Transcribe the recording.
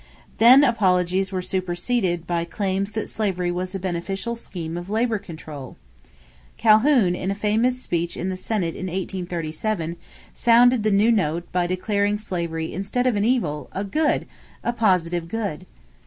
Then apologies were superseded by claims that slavery was a beneficial scheme of labor control. Calhoun, in a famous speech in the Senate in 1837, sounded the new note by declaring slavery "instead of an evil, a good a positive good."